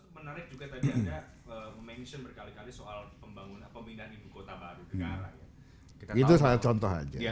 menarik juga tadi anda mention berkali kali soal pemindahan ibu kota baru negara